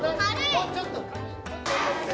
もうちょっと。